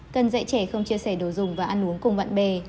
cần dạy trẻ không chia sẻ đồ dùng và ăn uống cùng bạn bè